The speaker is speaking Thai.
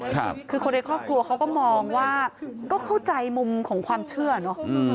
คือคนในครอบครัวเขาก็มองว่าก็เข้าใจมุมของความเชื่อเนอะ